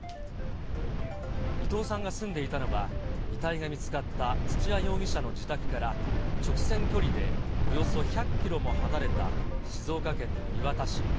伊藤さんが住んでいたのは、遺体が見つかった土屋容疑者の自宅から、直線距離でおよそ１００キロも離れた静岡県の磐田市。